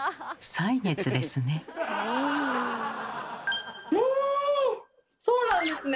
歳月ですね。